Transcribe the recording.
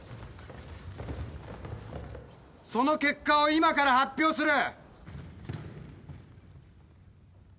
その結果を今から発表する！